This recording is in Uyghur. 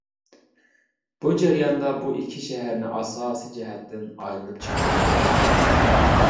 بۇ جەرياندا بۇ ئىككى شەھەرنى ئاساسىي جەھەتتىن ئايلىنىپ چىقتۇق.